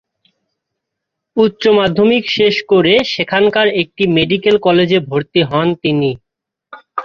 উচ্চ-মাধ্যমিক শেষ করে সেখানকার একটি মেডিক্যাল কলেজে ভর্তি হন তিনি।